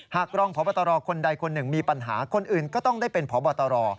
หากรองพบตรคนใดคนหนึ่งมีปัญหาคนอื่นก็ต้องได้เป็นพบตร